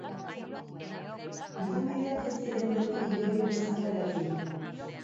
Piramideak ez ziren beti hilobi bezala erabili.